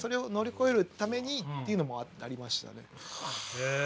へえ！